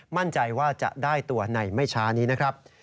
มั่นใจว่าจะได้ตัวในไม่ช้านี้นะครับ